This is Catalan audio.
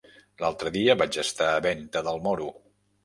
L'altre dia vaig estar a Venta del Moro.